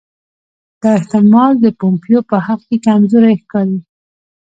دا احتمال د پومپیو په حق کې کمزوری ښکاري.